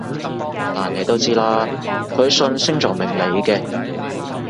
但你都知啦，佢信星座命理嘅